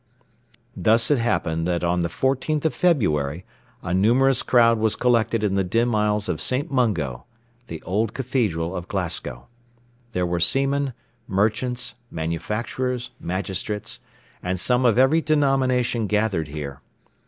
Thus it happened that on the 14th of February, 18 , a numerous crowd was collected in the dim aisles of St. Mungo, the old cathedral of Glasgow. There were seamen, merchants, manufacturers, magistrates, and some of every denomination gathered here.